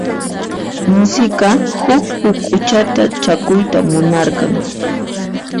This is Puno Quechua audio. Misiqa huk huk'uchata chakuyta munarqan.